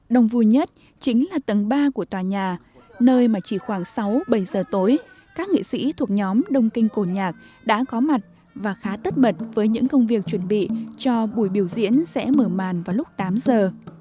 đông vui nhất chính là tầng ba của tòa nhà nơi mà chỉ khoảng sáu bảy giờ tối các nghệ sĩ thuộc nhóm đông kinh cổ nhạc đã có mặt và khá tất bật với những công việc chuẩn bị cho buổi biểu diễn sẽ mở màn vào lúc tám giờ